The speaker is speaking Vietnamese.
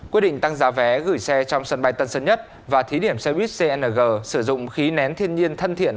quyết định tăng giá vé gửi xe trong sân bay tân sơn nhất và thí điểm xe buýt cng sử dụng khí nén thiên nhiên thân thiện